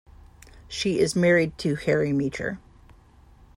She is married to Harry Meacher.